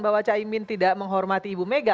bahwa caimin tidak menghormati ibu mega